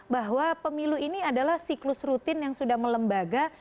bahwa pemilu ini adalah siklus rutin yang sudah melembaga